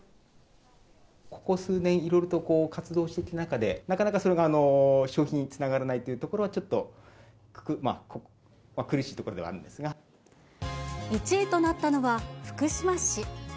ここ数年、いろいろと活動していく中で、なかなかそれが消費につながらないというところは、ちょっと苦し１位となったのは福島市。